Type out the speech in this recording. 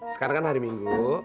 sekarang kan hari minggu